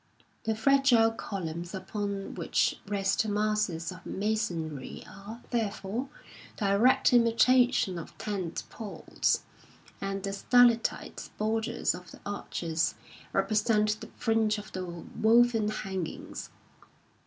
The fragile columns upon which rest masses of masonry are, therefore, direct imitations of tent poles, and the stalactite borders of the arches represent the fringe of the woven hang ings.